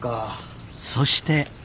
そして。